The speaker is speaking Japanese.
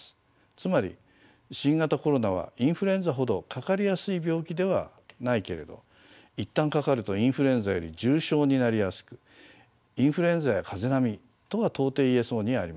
つまり新型コロナはインフルエンザほどかかりやすい病気ではないけれど一旦かかるとインフルエンザより重症になりやすくインフルエンザや風邪並みとは到底言えそうにありません。